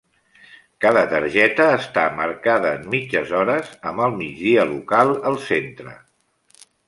Cada targeta està marcada en mitges hores amb el migdia local al centre.